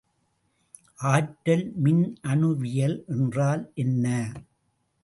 ஆற்றல் மின்னணுவியல் என்றால் என்ன?